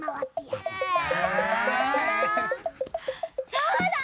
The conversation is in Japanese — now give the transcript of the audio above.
そうだ！